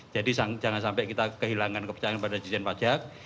jadi jangan sampai kita kehilangan kepercayaan pada dirjen pajak